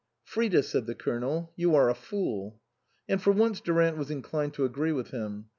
"Frida," said the Colonel, "you are a fool." And for once Durant was inclined to agree with him.